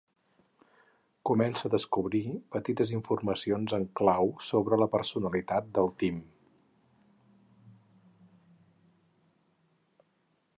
Comença a descobrir petites informacions en clau sobre la personalitat del Tim.